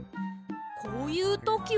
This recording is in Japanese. こういうときは。